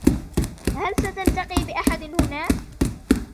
هل ستلتقي بأحد هنا ؟